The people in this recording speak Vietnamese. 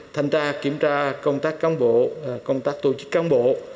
thành ra kiểm tra công tác công bộ công tác tổ chức công bộ